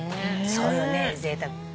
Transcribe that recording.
そうよねぜいたく。